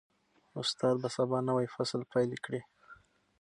استاد به سبا نوی فصل پیل کړي.